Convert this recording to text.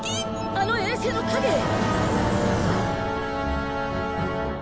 あの衛星の陰へ！